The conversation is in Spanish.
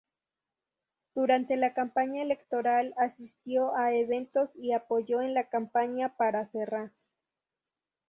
Durante la campaña electoral, asistió a eventos y apoyo en la campaña para Serra.